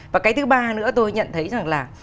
và cái thứ ba nữa tôi nhận thấy rằng là